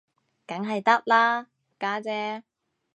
梗係得啦，家姐